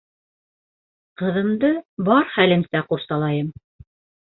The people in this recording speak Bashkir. Ҡыҙымды бар хәлемсә ҡурсалайым.